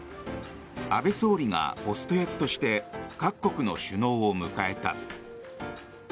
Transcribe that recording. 安倍総理がホスト役として各国の首脳を迎えた。